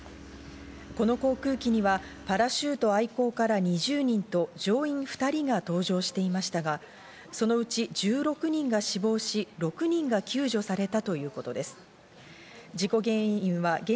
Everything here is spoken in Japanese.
この航空機にはパラシュート愛好家ら２０人と乗員２人が同乗していましたが、そのうち１６人が死亡し、６人が救助されたということです。